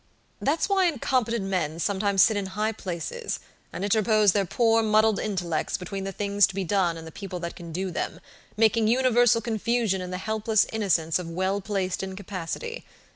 That's why incompetent men sometimes sit in high places, and interpose their poor, muddled intellects between the things to be done and the people that can do them, making universal confusion in the helpless innocence of well placed incapacity.